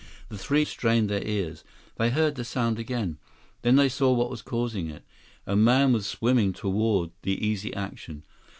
The three strained their ears. They heard the sound again. Then they saw what was causing it. A man was swimming toward the Easy Action.